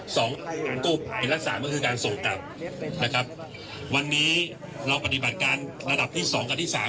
ของกู้ภัยรักษาก็คือการส่งกลับนะครับวันนี้เราปฏิบัติการระดับที่สองกับที่สาม